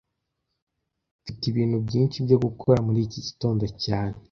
Mfite ibintu byinshi byo gukora muri iki gitondo cyane